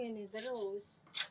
iya capek ini